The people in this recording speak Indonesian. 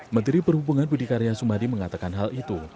menteri perhubungan budi karya sumadi mengatakan hal itu